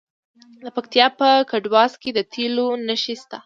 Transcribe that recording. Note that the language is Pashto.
د پکتیکا په کټواز کې د تیلو نښې شته.